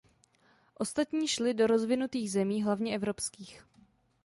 Ostatní šly do rozvinutých zemí, hlavně evropských.